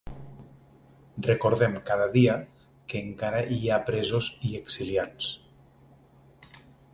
Recordem cada dia que encara hi ha presos i exiliats.